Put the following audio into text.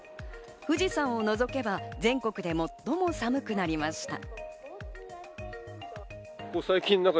富士山を除けば、全国で最も寒くなりました。